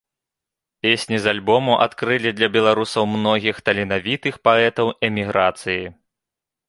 Песні з альбому адкрылі для беларусаў многіх таленавітых паэтаў эміграцыі.